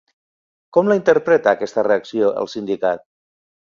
Com la interpreta, aquesta reacció, el sindicat?